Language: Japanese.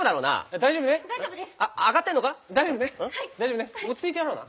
大丈夫です。